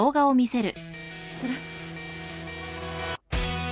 これ。